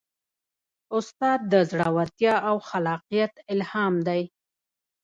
استاد د زړورتیا او خلاقیت الهام دی.